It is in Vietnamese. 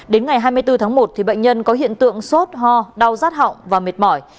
đến ngày hai mươi bốn tháng một bệnh nhân có hiện tượng sốt ho đau rát họng và mệt mỏi